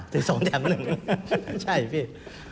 ซื้อ๒แถม๑ใช่พี่